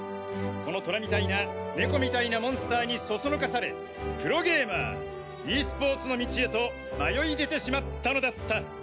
このトラみたいなネコみたいなモンスターにそそのかされプロゲーマーＥスポーツへの道へと迷いでてしまったのだった。